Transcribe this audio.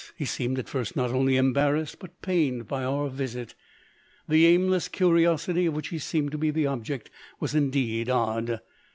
He seemed at first not only embarrassed but pained by our visit. The aimless curiosity of which he seemed to be the object was indeed odd.